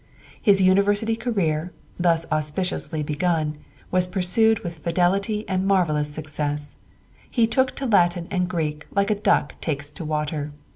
His university career, thus auspiciously begun, was pursued with fidelity and marvellous success. He took to Latin and Greek like a duck takes to water.